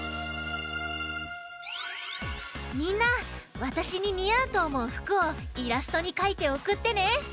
みんなわたしににあうとおもうふくをイラストにかいておくってね！